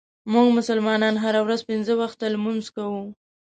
مونږ مسلمانان هره ورځ پنځه وخته لمونځ کوو.